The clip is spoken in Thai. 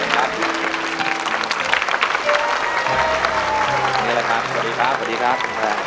นี่แหละครับสวัสดีครับสวัสดีครับ